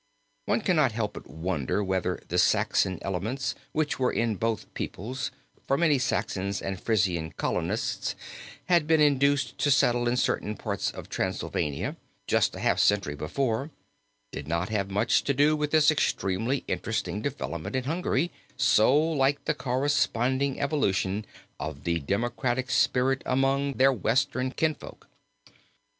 One cannot help but wonder whether the Saxon elements which were in both peoples, for many Saxon and Frisian colonists had been induced to settle in certain parts of Transylvania just half a century before, did not have much to do with this extremely interesting development in Hungary, so like the corresponding evolution of the democratic spirit among their western kinsfolk.